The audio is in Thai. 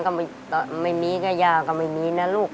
ก็ไม่มีก็ย่าก็ไม่มีนะลูก